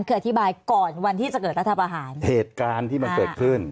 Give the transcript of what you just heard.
เคยอธิบายก่อนวันที่จะเกิดรัฐประหารเหตุการณ์ที่มันเกิดขึ้น